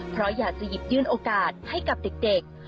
เพราะอยากจะหยิบยื่นโอกาสให้กับเด็ก